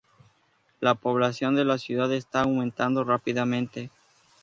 La población de la ciudad está aumentando rápidamente.